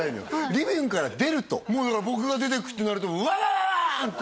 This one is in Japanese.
リビングから出るともうだから僕が出てくってなると「ワワワワン！」って